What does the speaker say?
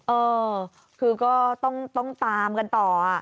เออคือก็ต้องตามกันต่อ